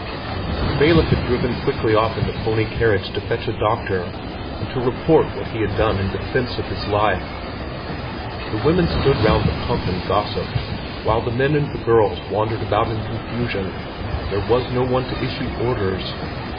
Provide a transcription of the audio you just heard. The bailiff had driven quickly off in the pony carriage to fetch a doctor and to report what he had done in defence of his life. The women stood round the pump and gossiped, while the men and girls wandered about in confusion; there was no one to issue orders.